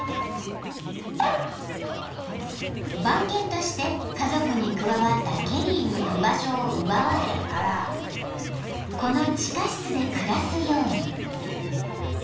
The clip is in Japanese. ・［番犬として家族に加わったケリーに居場所を奪われこの地下室で暮らすように］